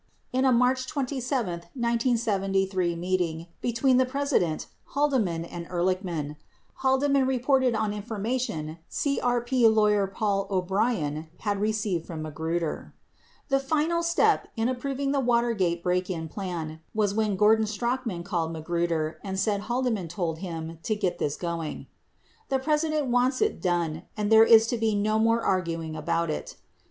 BS In a March 27, 1973 meeting between the President, Haldeman and Ehrlichman, Haldeman reported on information CRP lawyer Paul O'Brien had received from Magruder : [T]he final step [in approving the Watergate break in plan] was when Gordon Strachan called Magruder and said Haldeman told him to get this going. "The President wants it done and there is to be no more arguing about it."